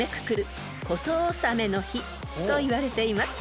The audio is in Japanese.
［の日といわれています］